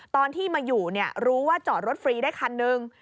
ตอนที่มาอยู่รู้ว่าจอดรถฟรีได้คันนึง